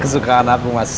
kesukaan aku mas